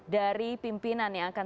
dari pimpinan yang akan